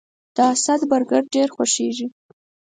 د اسد برګر ډیر خوښیږي